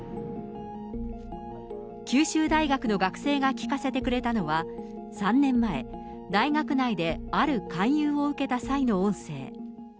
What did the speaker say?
九州大学の学生が聞かせてくれたのは、３年前、大学内である勧誘を受けた際の音声。